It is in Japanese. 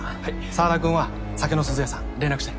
沢田君は酒の寿々屋さん連絡して。